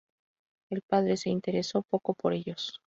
El padre se interesó poco por ellos.